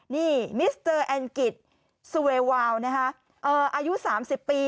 นี่มิสเตอร์แอนกิจสเววาวอายุ๓๐ปี